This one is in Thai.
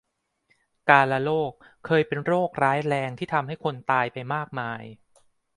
กาฬโรค เคยเป็นโรคร้ายแรงที่ทำให้คนตายไปมากมาย